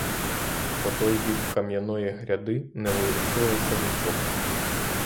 По той бік кам'яної гряди не ворушилося нічого.